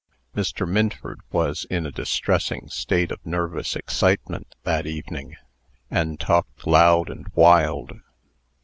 Mr. Minford was in a distressing state of nervous excitement that evening, and talked loud and wild.